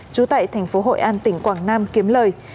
chú tại tp hội an tỉnh quảng nam kiếm lời